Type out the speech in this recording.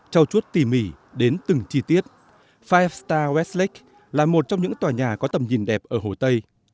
trao chuốt tỉ mỉ đến từng chi tiết firev star westlake là một trong những tòa nhà có tầm nhìn đẹp ở hồ tây